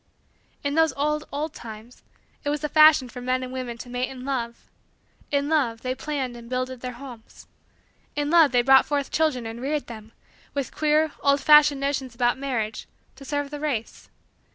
In those old, old, times, too, it was the fashion for men and women to mate in love. In love, they planned and builded their homes. In love, they brought forth children and reared them, with queer, old fashioned notions about marriage, to serve the race.